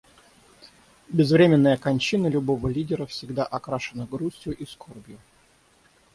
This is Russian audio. Безвременная кончина любого лидера всегда окрашена грустью и скорбью.